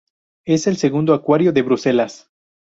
Es el segundo acuario de Bruselas.